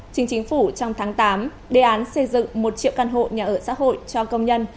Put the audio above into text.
chính chính phủ trong tháng tám đề án xây dựng một triệu căn hộ nhà ở xã hội cho công nhân